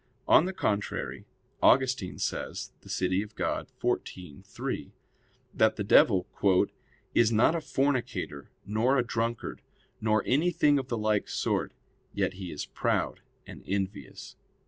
On the contrary, Augustine says (De Civ. Dei xiv, 3) that the devil "is not a fornicator nor a drunkard, nor anything of the like sort; yet he is proud and envious."